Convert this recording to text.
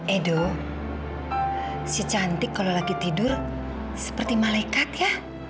edo si cantik kalau lagi tidur seperti malaikat ya